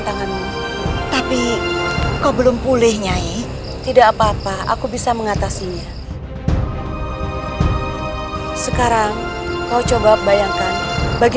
kamu harus segera menikah dengan ariaduwipanga